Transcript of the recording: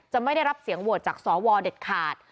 ไม่ได้รับเสียงโหวตจากสวเด็ดขาด